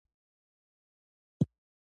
ما د احمد مذهب ليدلی وو چې له اوخه وېرېږي.